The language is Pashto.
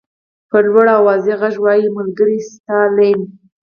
په لوړ او واضح غږ وایي ملګری ستالین.